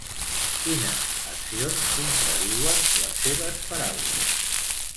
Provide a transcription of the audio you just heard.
Quines accions contradiuen les seves paraules?